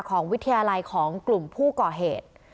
วิทยาลัยของกลุ่มผู้ก่อเหตุ